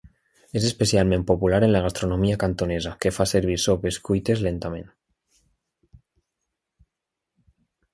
És especialment popular en la gastronomia cantonesa, que fa servir sopes cuites lentament.